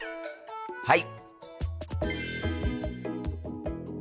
はい！